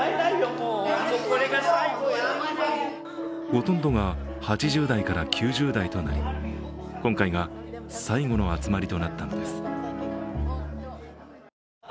ほとんどが８０代から９０代となり今回が最後の集まりとなったのです。